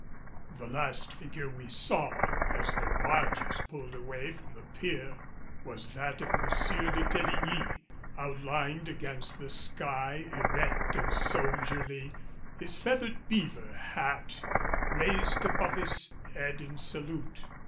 The last figure we saw as the barges pulled away from the pier was that of M. de Teligny outlined against the sky, erect and soldierly, his feathered beaver hat raised above his head in salute.